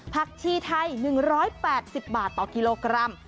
ผักชีไทย๑๘๐บาทต่อกิโลกรัม